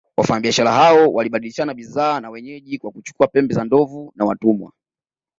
Wafanyabiashara hao walibadilishana bidhaa na wenyeji kwa kuchukua pembe za ndovu na watumwa